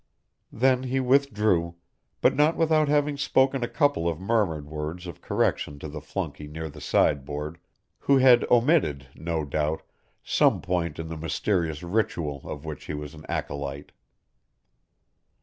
Then he withdrew, but not without having spoken a couple of murmured words of correction to the flunkey near the sideboard, who had omitted, no doubt, some point in the mysterious ritual of which he was an acolyte.